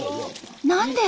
何で？